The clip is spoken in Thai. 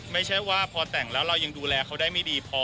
ไม่ใช่ว่าพอแต่งแล้วเรายังดูแลเขาได้ไม่ดีพอ